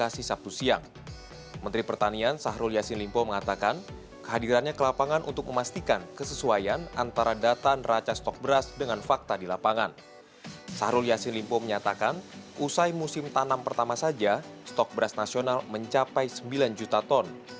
syahrul yassin limpo menyatakan usai musim tanam pertama saja stok beras nasional mencapai sembilan juta ton